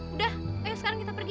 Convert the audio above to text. udah ayo sekarang kita pergi